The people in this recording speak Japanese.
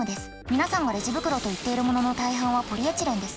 皆さんがレジ袋といっているものの大半はポリエチレンです。